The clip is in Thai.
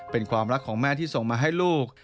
เป็นความรักของแม่ที่ส่งมาให้ลูก